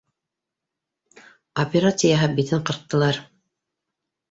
Операция яһап, битен ҡырҡтылар.